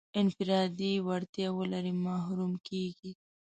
انفرادي وړتیا ولري محروم کېږي.